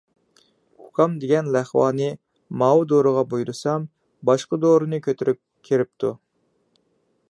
ئۇكام دېگەن لەقۋانى ماۋۇ دورىغا بۇيرۇسام، باشقا دورىنى كۆتۈرۈپ كىرىپتۇ.